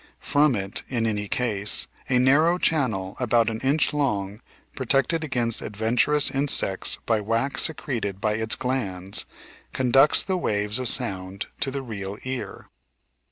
From it, in ^ any case, a narrow channel about an inch long, protected against adventurous insects by wax secreted by its glands, conducts the waves of sound to the real ear.